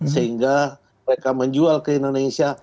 sehingga mereka menjual ke indonesia